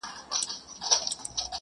اوس له خپل ځان څخه پردى يمه زه ـ